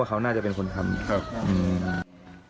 เขาน่าจะเป็นคนทำครับ